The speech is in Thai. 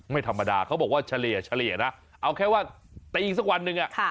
ไม่ธรรมดาเขาบอกว่าเฉลี่ยนะเอาแค่ว่าตีอีกสักวันหนึ่ง